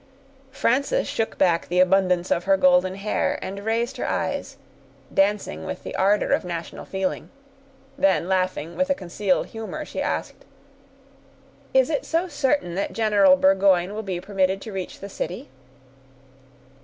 Frances shook back the abundance of her golden hair, and raised her eyes, dancing with the ardor of national feeling; then laughing, with a concealed humor, she asked,— "Is it so certain that General Burgoyne will be permitted to reach the city?"